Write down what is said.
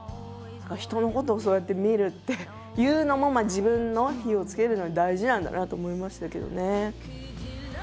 人のことをそうやって見るっていうのも自分の火をつけるのに大事なんだなと思いましたけどね。